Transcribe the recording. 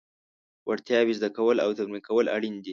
وړتیاوې زده کول او تمرین کول اړین دي.